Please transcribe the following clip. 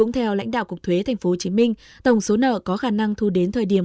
theo lãnh đạo cục thuế tp hcm tổng số nợ có khả năng thu đến thời điểm